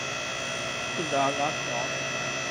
สุดารัตน์เหรอ